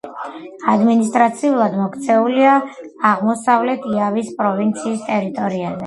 ადმინისტრაციულად მოქცეულია აღმოსავლეთ იავის პროვინციის ტერიტორიაზე.